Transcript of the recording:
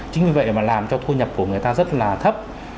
chính vì vậy mà làm cho thu nhập của người ta rất là thấp